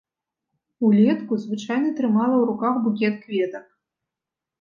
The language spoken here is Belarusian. Улетку звычайна трымала ў руках букет кветак.